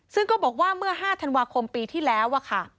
ซึ่งก็บอกว่าเมื่อ๕ธันวาคมปีที่แล้วอะค่ะ